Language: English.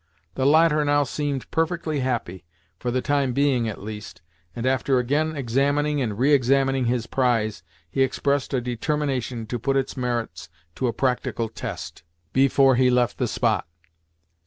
The latter now seemed perfectly happy, for the time being at least, and after again examining and re examining his prize, he expressed a determination to put its merits to a practical test, before he left the spot.